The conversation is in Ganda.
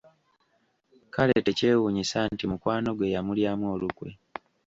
Kale tekyewunyisa nti mukwano gwe y'amulyamu olukwe.